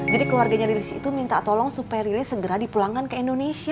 jadi keluarganya lelis itu minta tolong supaya lelis segera dipulangkan ke indonesia